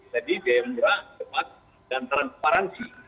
jadi biaya murah cepat dan transparansi